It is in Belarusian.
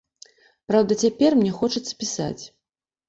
Праўда, цяпер мне хочацца пісаць.